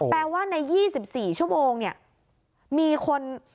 แปลว่าใน๒๔ชั่วโมงมีคน